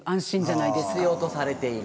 必要とされている。